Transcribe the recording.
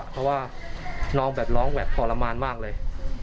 เพราะว่าน้องแบบร้องแบบทรมานมากเลย